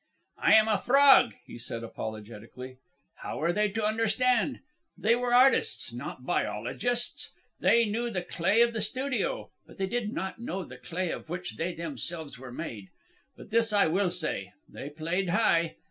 "I am a frog," he said apologetically. "How were they to understand? They were artists, not biologists. They knew the clay of the studio, but they did not know the clay of which they themselves were made. But this I will say they played high.